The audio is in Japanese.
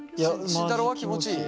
慎太郎は気持ちいい？